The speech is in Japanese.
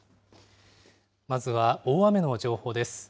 まずは大雨の情報です。